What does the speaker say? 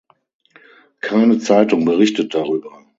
Keine Zeitung berichtet darüber.